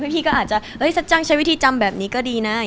พี่ก็อาจจะจ้างใช้วิธีจำแบบนี้ก็ดีนะ